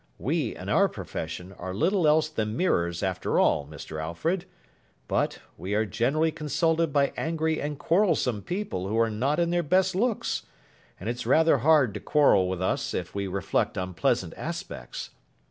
We, in our profession, are little else than mirrors after all, Mr. Alfred; but, we are generally consulted by angry and quarrelsome people who are not in their best looks, and it's rather hard to quarrel with us if we reflect unpleasant aspects.